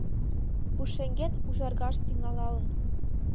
Пушеҥгет ужаргалаш тӱҥалалын.